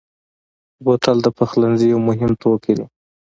بوتل د پخلنځي یو مهم توکی دی.